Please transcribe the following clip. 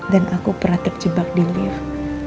dan aku pernah terjebak di lift